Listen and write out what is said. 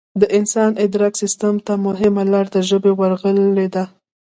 د انسان ادراک سیستم ته مهمه لار د ژبې ورغلې ده